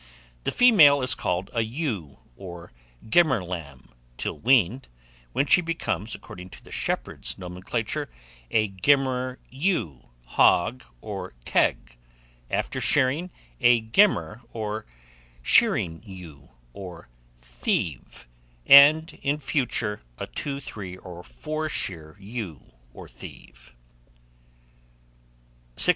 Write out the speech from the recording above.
The female is called a ewe, or gimmer lamb, till weaned, when she becomes, according to the shepherd's nomenclature, a gimmer ewe, hog, or teg; after shearing, a gimmer or shearing ewe, or theave; and in future a two, three, or four shear ewe, or theave. 694.